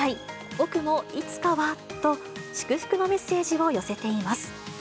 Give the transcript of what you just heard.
僕もいつかは。と、祝福のメッセージを寄せています。